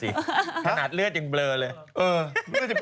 อย่างเบลอสิ